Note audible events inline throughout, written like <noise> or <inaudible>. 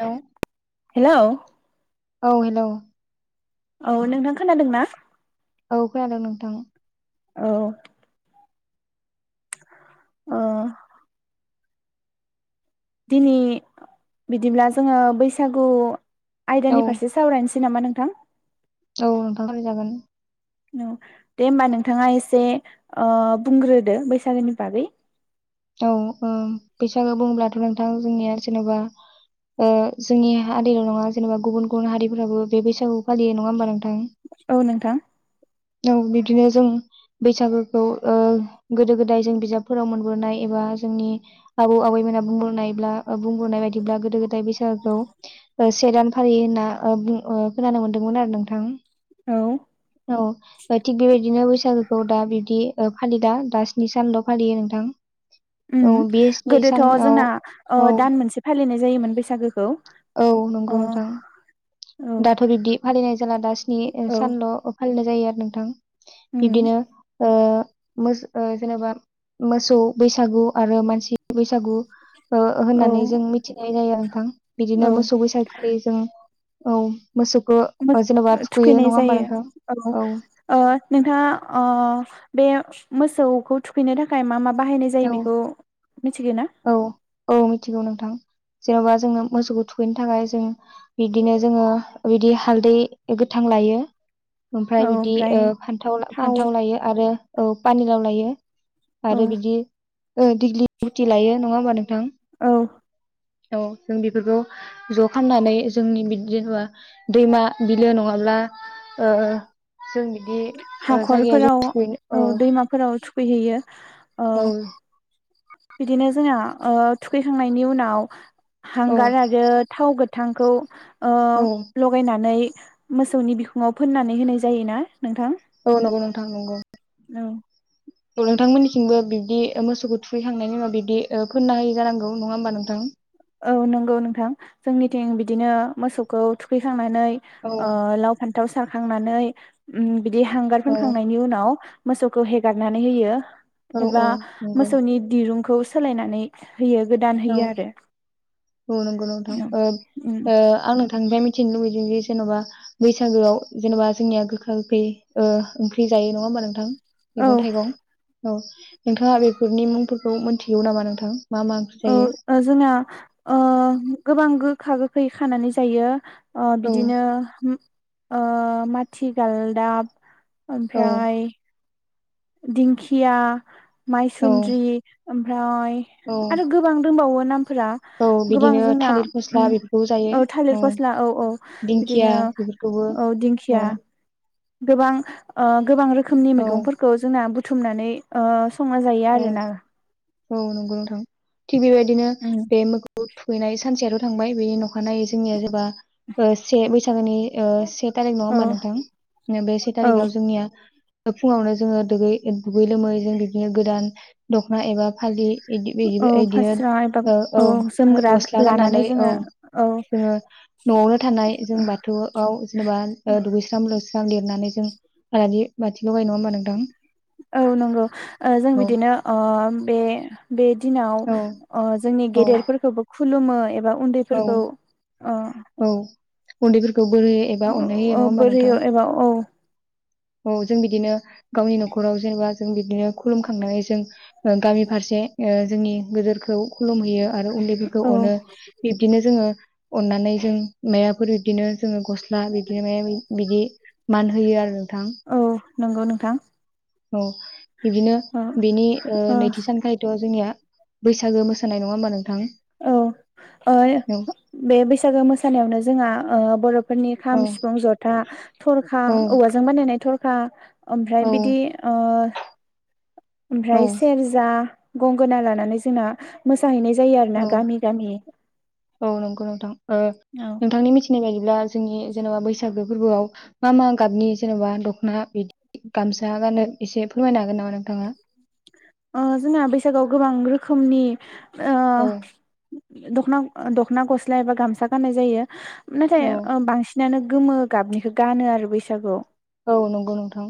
Hello hello औ hello औ नोंथां खोनादोंना? औ खोनादों नोंथां औ ओ दिनै बिदिब्ला जोङो बैसागु औ आयदानि फारसे सावरायनोसै नामा नोंथां औ नोंथां सावरायजागोन औ दे होमबा नोंथाङा एसे ओ बुंग्रोदो बैसागोनि बागै औ बैसागो बुङ्लाथ' नोंथां जोंनिया जेनेबा ओ जोंनि हारिल' नङा जेनेबा गुबुन गुबुन हारिफोराबो बे बैसागुखौ फालियो नङा होमबा नोंथां? औ नोंथां औ बिदिनो जों बैसागोखौ गोदो गोदाय जों बिजाबफोराव मोनबोनाय एबा जोंनि आबौ आबैमोना बुंबोनायब्ला बुंबोनाय बायदिब्ला गोदो गोदाय बैसागोखौ से दान फालियो होनना ओ बुं ओ खोनानो मोनदोंमोन आरो नोंथां औ औ थिग बेबायदिनो बैसागोखौ दा बिब्दि फालिदा दा स्नि सानल' फालियो नोंथां उम औ बे स्नि गोदोथ' सानाव जोंना औ दान मोनसे फालिनाय जायोमोन बैसागोखौ औ अ नंगौ नोंथां औ दाथ' बिब्दि फालिनाय जाला दा स्नि औ सानल' फालिनाय जायो आरो नोंथां। उम बिब्दिनो ओ मोस ओ जेनेबा मोसौ बैसागु आरो मानसि बैसागु औ हो-होननानै जों मिथिनाय जायो नोंथां बिदिनो औ मोसौ बैसागखालि जों औ मोसौखौ मोस ओ जेन'बा थुखैयो थुखैनाय नङा होमबा जायो नोंथां औ ओ नोंथाङा ओ बे मोसौखौ थुखैनो थाखाय मा मा बाहायनाय जायो बेखौ मिथिगौ ना? औ औ औ मिथिगौ नोंथां। जेन'बा जोङो मोसौखौ थुखैनो थाखाय जों बिब्दिनो जोङो बिदि हालदै गोथां लायो। ओमफ्राय बिदि फान्थाव थाव फान्थाव लायो आरो। औ पानिलाव लायो। औ आरो बिदि ओं दिगलि गुटि लायो नङा होमबा नों थां औ औ जों बेफोरखौ ज' खालामनानै जोंनि बि जेनेबा दैमा बिलो नङाब्ला ओ जोंनि हाखरफोराव औ दैमाफोराव थुखैहैयो। औ बिदिनो जोंना थुखैखांनायनि उनाव औ हांगार आरो थाव गो थांखौ ओ औ लगायनानै मोसौनि बिखुङाव फोननानै होनाय जायोना नोंथां? औ नंगौ नोंथां नंगौ। औ नोंथांमोननिथिंबो बिब्दि मोसौखौ थुखैखांनायनि उनाव बिब्दि फोननो होयो जानांगौ नङा होमबा नोंथां? औ नंगौ नोंथां जोंनिथिं बिदिनो मोसौखौ थुखैखांनानै औ ओ लाव फान थाव सारखांनानै ओम बिदि हांगार औ फोनखांनायनि उनाव मोसौखौ हेगारनानै होयो। औ एबा औ नंगौ मोसौनि दिरुंखौ सोलायनानै होयो गोदान औ होयो आरो। औ नंगौ नोंथां ओ ओ आं नोंथांनिफ्राय मिथिनो लुबैयो। जेनबा बैसागोआव जेनेबा जोंनिया गोखा गोखै ओ ओंख्रि जायो नङा होमबा नोंथां? औ मैगं थाइगं औ नोंथाङा बेफोरनि मुंफोरखौ मिथिगौ नामा नोंथां मा मा? जायो? औ जोंना ओ गोबां गो गोखा गोखै खानानै जायो। ओ औ बिदिनो ओ माथि गालदाब औ ओमफ्राय दिंखिया औ माइसुन्द्रि ओमफ्राय औ आरो गोबां दंबावो फोरा औ गोबां बिदिनो जोंना थालिर फस्ला बेफोरखौ जायो औ थालिर फस्ला औ औ दिंखिया बिदिनो बेफोरखौबो औ औ दिंखिया गोबां ओ गोबां रोखोमनि औ मैगफोरखौ जोंना बुं थुमनानै ओ संना जायो औ आरोना औ नंगौ नोंथां थिग बेबायदिनो उम बे थुैनाय सानसेयाथ थांबाय बेनि नखानायै जोंनिया जेबा ओ से बैसागोनि ओ से थारिख नङा औ होमबा नोंथां बे से औ थारिखाव जोंनिया फुङावनो जोङो दुगै दुगै लोमै जों बिदिनो दखना एबा फालि इदि बिदि औ फास्रा एबा इदिनो ओ औ औ जोमग्रा गस्ला गाननानै लानानै औ जोङो औ जोङो नआवनो थानाय जों बाथौआव जेनेबा ओ दुगैस्र लोब जां लिरनानै जों आलारि बाथि लगायो। नङा होमबा नोंथां? औ नंगौ ओ जों औ बिदिनो ओम बे बे दिनाव औ ओ जोंनि गेदेरफोरखौबो खुलुमो एबा औ औ उन्दैफोरखौ ओ औ उन्दै औ बोर होयो एबा औ औ जों बिदिनो गावनि न'खराव जेनेबा जों बिदिनो खुलुमखांनानै जों गामि फारसे ओ जोंनि गोदोरखौ खुलुमहैयो। आरो उन्दैफोरखौ औ अनो बिब्दिनो जोङो अनानै जों मायाफोर बिदिनो जोङो गस्ला बिदि मायामायि बिदि मान होयो आरो नोंथां। औ नंगौ नोंथां औ बिदिनो ओ बिनि ओ नैथि सानखालिथ जोंनिया बैसागो मोसानाय नंङा होमबा नों औ ओ बे बैसागो मोसानायावनो जोंहा ओ बरफोरनि खाम औ सिफुं जथा थरखा औवाजों बानायनाय थरखा खा ओमफ्राय औ बिदि ओ औ ओमफ्राय सेरजा गंगोना लानानै जोंना मोसाहैनाय जायो औ आरोना गामि गामि औ नंगौ नोंथां औ नोंथांनि मिथिनाय बायदिब्ला जोंनि जेनेबा बैसागो फोरबोआव मा मा गाबनि जेनेबा दखना बिदि गामसा गानोनो एसे फोरमायनो हागोन नामा नोंथाङा जोंना बैसागोआव गोबां रोखोमनि ओ औ दखना दखना गस्ला एबा गामसा गाननाय जायो नाथाय औ बांसिनानो गोमो गाबनिखौ गानो आरो बैसागुआव औ नंगौ नोंथां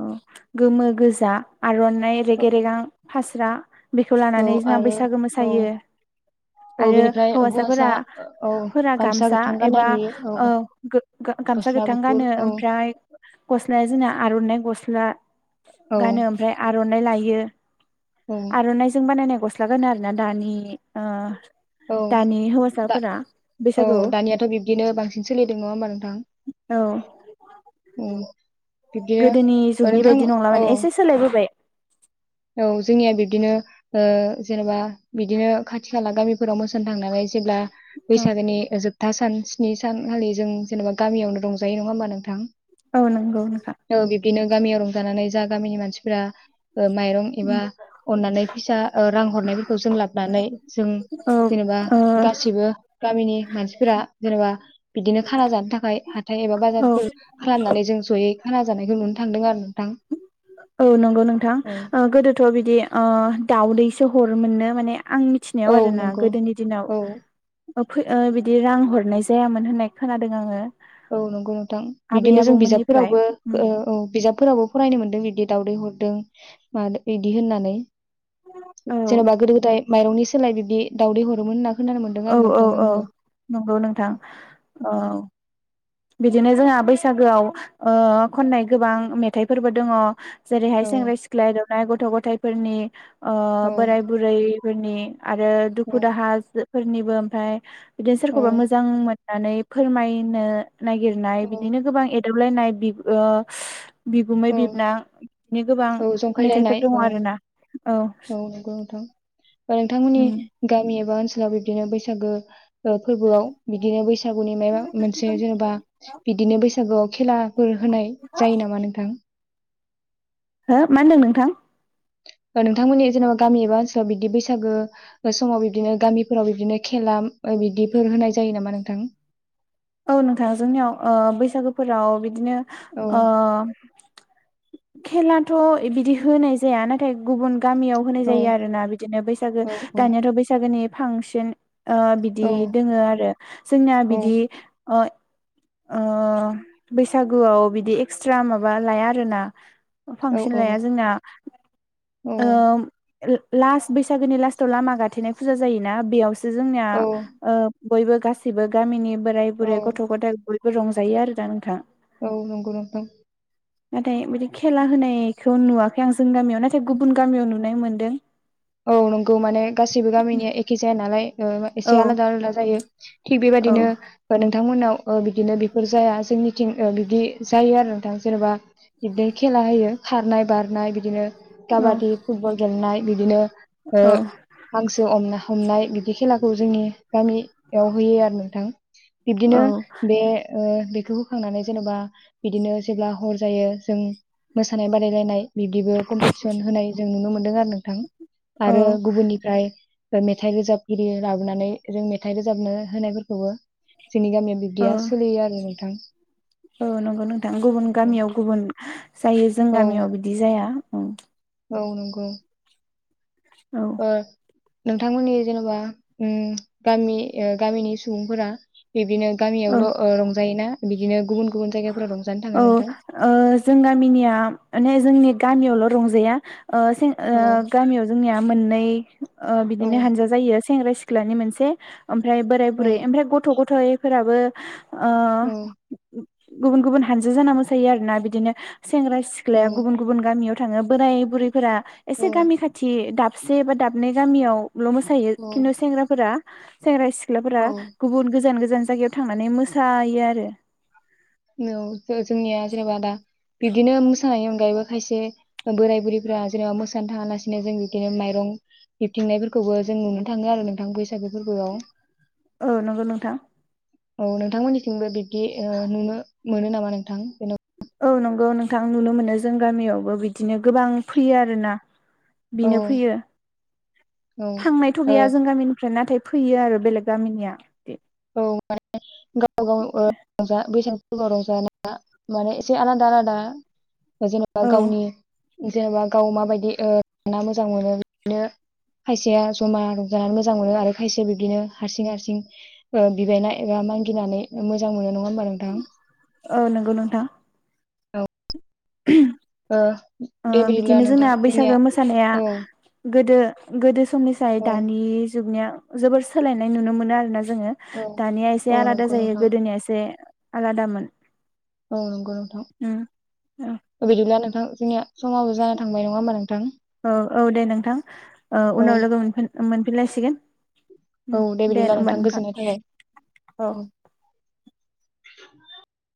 औ गोमो गोजा आरनाइ औ गे रेगां फास्रा बेखौ औ लानानै जोंना आरो बैसागो औ मोसायो औ आरो बेनिफ्राय हौवासा औ हौवासाफोराफोरा गामसा गोथां गाननाय एबा नुयो औ गामसा गस्ला गोथां गुफुर गानो औ ओमफ्राय गस्लाया जोंना आरनाइ गस्ला बा औ गानो ओमफ्राय आरनाय लायो औ <unintelligible> आरनाइजों बानायनाय गस्ला गानो आरोना दानि ओ औ दानि दा हौवासाफोरा औ बैसागुआव दानियाथ बिब्दिनो बांसिन सोलिदों नंङा होमबा नोंथां औ उम गोदोनि बिब्दिनो जुगनि नोंथां बायदि नंला औ माने एसे सोलायबोबाय औ जोंनिया बिब्दिनो ओ जेनेबा बिदिनो खाथि खाला गामिफोराव मोसानो थांनानै जेब्ला औ बैसागोनि जोबथा सान स्नि सानखालि जों जेनेबा गामियावनो रंजायो नंङा होमबा नोंथां औ नंगौ नोंथां बिदिनो गामियाव रंजानानै जा गामिनि मानसिफोरा <unintelligible> एबा अननानै फैसा ओ रां हरनायफोरखौ जों लाबनानै जों औ जेनेबा गासिबो गामिनि मानसिफोरा जेनबा बिदिनो खाना जानो थाखाय हा हाथाय एबा ओ औ बाजारफोर खालामनानै जों जयै खाना जानायखौ नुनो थांदों आरो नोंथां। औ नंगौ नोंथां औ ओ गोदो थ' बिदि ओ दाउदैसो हरोमोननो माने आं औ मिथिनायाव आरोना नंगौ गोदोनि दिनाव औ <unintelligible> फो ओ बिदि रां हरनाय जायामोन होनना खोनादों आङो। औ नंगौ नोंथां आबै बिदिनो जों आबौमोननिफ्राय बिजाबफोरावबो उम ओ औ बिजाब फोरावबो फरायनो मोन्दों बिदि दावदै हरदों माद <unintelligible> इदि होननानै औ जेनबा गोदो गोदाय माइरंनि सोलाय बिदि दावदै हरोमोनना औ औ औ नंगौ नोंथां औ। बिदिनो जोंहा बैसागोआव ओ खननाय गोबां मेथाइफोरबो दङ। जेरैहाय औ सेंग्रा सिख्ला एदाव <unintelligible> गथ' गथायफोरनि ओ औ बोराय बुरै फोरनि आरो औ दुखु दाहा जो फोरनिबो ओमफाय <unintelligible> दि औ सोरखौबा मोजां मोन नानै फोरमायनो नायगिरनाय औ बिदिनो गोबां एद <unintelligible> दावलायनाय बिब ओ बिगुमै औ बिबोनां बिनि गोबां औ जंखायलायनाय मेथाइफोर दङ औ आरोना औ। ओ नोंथांमोननि उम गामि एबा ओनसो <unintelligible> बिबदिनो बैसागो ओ फोरबोआव बिदिनो बैसागुनि मायबा मोनसे जेनबा बिदिनो बैसा <unintelligible> आव खेलाफोर होनाय जायो नामा नोंथां? हो मा होनदों नोंथां? ओ नोंथांमोननि जेन'बा गामि एबा ओनसोलाव बिदि बैसागो ओ समाव बिब्दिनो गामिफोराव बिबदिनो खेला ओ बिदिफोर होनाय जायो नामा नोंथां? औ नोंथां जोंनियाव ओ बैसागोफोराव बिद दिनो औ ओ खेलाथ' इबिदि होनाय जाया नाथाय गुबुन गामियाव होनाय औ जायो आरोना बिदिनो बैसागो औ औ दानियाथ' बैसागोनि फांसन ओ बिदि औ दोङो आरो जोंना औ बिदि ओ बैसागुआव बिदि एक्सट्रा माबा लाया आरोना‌। फांसन लाया जोंना। औ। ओ लास्ट बैसागोनि लास्टआव लामा गाथेनाय फुजा जायोना? बेयाव जोंनिया औ ओ बयबो गासिबो गामिनि बोराय औ बुरै गथ' गथाय बयबो रंजायो आरो दा नोंथाङा। औ नंगौ नथां। नाथाय बिदि खेला होनायखौ नुवाखै आं जोंनि गामियाव नाथाय गुबुन गामियाव नुनाय मोनदों। औ नंगौ माने गासैबो गामिनिया एखे जाया नालाय। ओ औ एसे‌ आलादा आलादा जायो। थिग औ बेबायदिनो नों थांमोनाव ओ बिदिनो बेफोर जाया जोंनिथिं बिदि जायो आरो नोंथां जेनेबा बिदि खेला होयो। खारनाय बारनाय बिदिनो औ काबादि फुटबल गेलेनाय। बिदिनो ओ औ हांसो अमना। हमनाय बिदि खेलाखौ जोंनि गामियाव होयो आरो नोंथां। बिब्दिनो औ बे ओ बेखौ होखांनानै जेनेबा बिदिनो जेब्ला हर जायो, जों मोसानाय बादायलायनाय बिब्दिबो कम्पिटिसन होनाय जों नुनो मोनदों आरो नोंथां। औ आरो गुबुननिफ्राय ओ मेथाइ रोजाबगिरि लाबोनानै जों मेथाइ रोजाबनो होनायफोरखौबो जोंनि गामिया औ बिब्दिया सोलियो आरो नोंथां। औ नंगौ नोंथां, गुबुन गामियाव गुबुन जायो जों औ गामियाव बिदि जाया। ओं। औ नंगौ। औ ओ नोंथांमोननि जेनेबा उ गामि ओ गामिनि सुबुंफोरा बिब्दिनो औ गामियावल'ओ रंजायोना बिदिनो गुबुन गुबुन जायगाफोराव रंजानो औ थाङो नोंथां ओ जों गामिनिया माने जोंनि गामियावल' रंजाया ओ सें ओ औ गामियाव जोंनिया मोननै <unintelligible> ओ औ बिदिनो हानजा जायो सेंग्रा सिख्लानि मोनसे ओमफ्राय बोराय औ बुरै ओमफ्राय गथ' गथाय फोराबो ओ गुबुन गुबुन हानजो जाना मोसायो आरो ना बिदिनो सेंग्रा औ सिख्लाया गुबुन गुबुन गामियाव थाङो बोनाय बुरैफोरा औ एसे गामि खाथि दाब दाबसे बा दाबनै गामियाव ल' मोसायो औ खिन्थु सेंग्राफोरा सेंग्रा सिख सिख्लाफोरा औ गुबुन गोजान गो गोजान जायगायाव थांनानै मोसायो आरो औ जोंनिया जेनेबा दा बिब्दिनो मोसानायनि अनगायैबो खायसे बोराय बुरैफ्रा जेनेबा मोसानो थाङालासिनो जों बिदिनो माइरं बिबथिंनायफोरखौबो जों नुनो थाङो आरो नोंथां बैसागो फोरबोआव। औ नंगौ नोंथां। औ नोंथांमोननिसिमबो बिब्दि ओ नुनो मोनो नामा नोंथां जेन'बा औ नंगौ नोंथां नुनो मोनो जों गामियावबो बिदिनो गोबां फैयो आर ना। बिनो फैयो औ थांनायथ' गैया जों गामिनिफ्राय नाथाय फैयो आरो बेलेग गामिनिया। औ माने गाव गाव रंजा बैसागुाव रंज ना माने एसे आलादा आलादा जेनेबा औ गावनि जेनेबा गाव माबायदि जा ओ मोजां मोनो बिदिनो खायसेया जमा जानानै मोजां मोनो आरो खायसेया बिब्दिनो हारसिं हारसिं बिबायना एबा मागिनानै मोजां मोनो नङा। होमबा नोंथां औ नंगौ नोंथां औ ओ ओ दे बिदिब्ला बिदिनो नोंथां जोंना जोंनिया बैसागो मोसानाया औ गोदो गोदो समनिफ्राय औ दानि जुगनिया जोबोर सोलायनाय नुनो मोनो आरोना जोंङो औ दानिया एसे औ आलादा नंगौ जायो नोंथां गोदोनिया एसे आलादामोन औ नंगौ नोंथां उम <unintelligible> गैया नोंथां जोंनिया समाबो जाना थांबाय नङा होमबा नोंथां औ औ दे नोंथां औ उनाव लोगो मोनफिन मोनफिनलायसिगोन औ दे बिदिब्ला होमबा नोंथां गोजोननाय थाबाय औ <inaudible>